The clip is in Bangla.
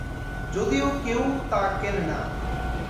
যদিও কেউ তা কেনেনা।